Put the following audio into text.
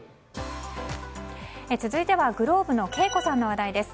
続いては、ｇｌｏｂｅのＫＥＩＫＯさんの話題です。